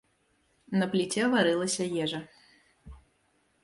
На пліце варылася ежа.